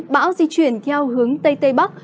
bão di chuyển theo hướng tây tây bắc